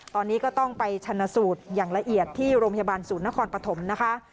ตอนนี้ก็ต้องไปชนะสูตรอย่างละเอียดที่โรงพยาบาลศูนย์นครปฐมนะคะ